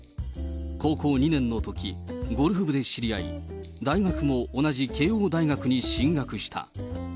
高校２年のとき、ゴルフ部で知り合い、大学も同じ慶應大学に進学した。